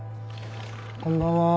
こんばんは。